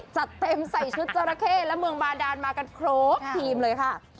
จัดเต็มใส่ชุดจราเข้และเมืองบาดานมากันครบทีมเลยค่ะ